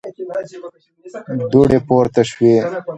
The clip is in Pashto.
دوړې پورته شوې.